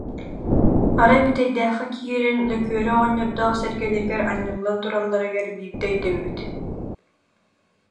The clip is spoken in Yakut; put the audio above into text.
Арай Бүтэйдээххэ киирэн, Лөкүөрэ оҕонньордоох сэргэлэригэр анньыллан туралларыгар биирдэ өйдөммүт